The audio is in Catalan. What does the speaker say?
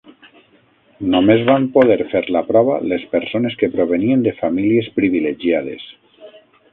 Només van poder fer la prova les persones que provenien de famílies privilegiades.